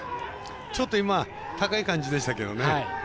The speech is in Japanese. ちょっと今高い感じでしたけどね。